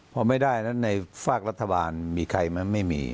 พอไม่ได้ในฝากรัฐบาลมีใครมันไม่มี